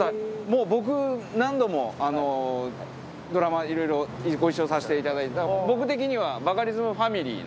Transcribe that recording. もう僕何度もドラマいろいろご一緒させていただいて僕的にはバカリズムファミリー。